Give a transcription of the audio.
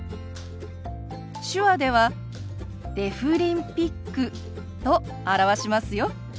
手話では「デフリンピック」と表しますよ。